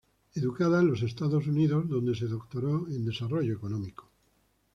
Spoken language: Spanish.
Educada en los Estados Unidos, donde se doctoró en desarrollo económico.